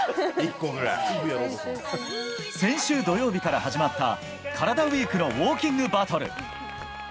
先週土曜日から始まったカラダＷＥＥＫのウォーキングバトル。